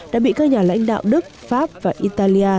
đã bị các nhà lãnh đạo đức pháp và italia